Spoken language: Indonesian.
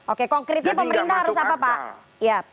oke konkretnya pemerintah harus apa pak